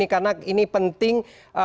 karena ini penting